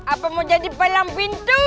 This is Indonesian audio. apa mau jadi palang pintu